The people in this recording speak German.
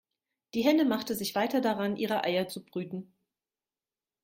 Die Henne machte sich weiter daran, ihre Eier zu brüten.